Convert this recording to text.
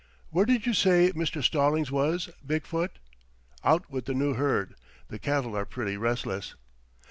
Where did you say Mr. Stallings was, Big foot?" "Out with the new herd. The cattle are pretty restless."